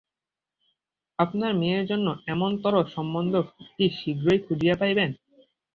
আপনার মেয়ের জন্য এমনতরো সম্বন্ধ কি শীঘ্র খুঁজিয়া পাইবেন?